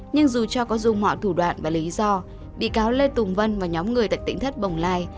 nhưng dù cho có dung họ thủ đoạn và lý do bị cáo lê thu vân và nhóm người tại tỉnh thất bồng lai